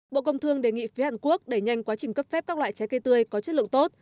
bộ công thương đề nghị phía hàn quốc đẩy nhanh quá trình cấp phép các loại trái cây tươi có chất lượng tốt